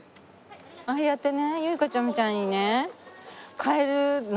ああやってねウイカちゃんみたいにね買えるのがね